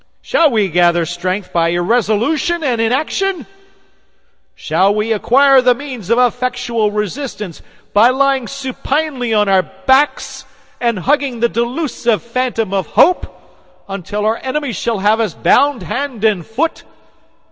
Shall we gather strength by irresolution and inaction? Shall we acquire the means of effectual resistance by lying supinely on our backs and hugging the delusive phantom of hope, until our enemies shall have bound us hand and foot?